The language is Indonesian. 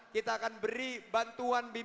kita akan beri bantuan